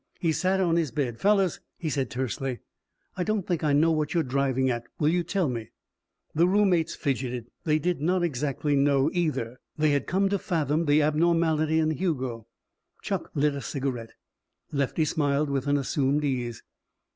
He sat on his bed. "Fellows," he said tersely, "I don't think I know what you're driving at. Will you tell me?" The roommates fidgeted. They did not know exactly, either. They had come to fathom the abnormality in Hugo. Chuck lit a cigarette. Lefty smiled with an assumed ease.